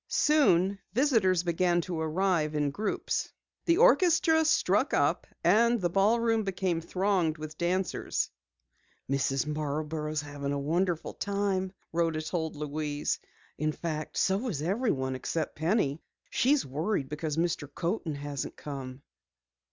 Soon visitors began to arrive in groups. The orchestra struck up and the ballroom became thronged with dancers. "Mrs. Marborough is having a marvelous time," Rhoda told Louise. "In fact, so is everyone except Penny. She's worried because Mr. Coaten hasn't come."